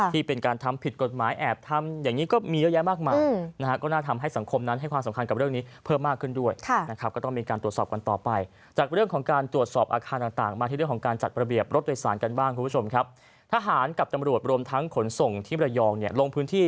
ที่เป็นการทำผิดกฎหมายแอบทำอย่างนี้ก็มีเยอะแยะมากมายนะฮะก็น่าทำให้สังคมนั้นให้ความสำคัญกับเรื่องนี้เพิ่มมากขึ้นด้วยนะครับก็ต้องมีการตรวจสอบกันต่อไปจากเรื่องของการตรวจสอบอาคารต่างมาที่เรื่องของการจัดระเบียบรถโดยสารกันบ้างคุณผู้ชมครับทหารกับตำรวจรวมทั้งขนส่งที่มรยองเนี่ยลงพื้นที่